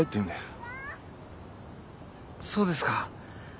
そうですか。